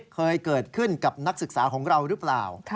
เคยเกิดขึ้นกับนักศึกษาของเราหรือเปล่า